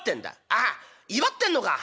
「ああ祝ってんのか。